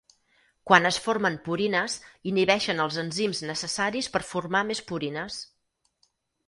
Quan es formen purines, inhibeixen els enzims necessaris per formar més purines.